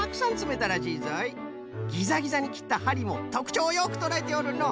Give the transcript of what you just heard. ギザギザにきったはりもとくちょうをよくとらえておるのう。